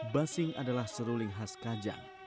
basing adalah seruling khas kajang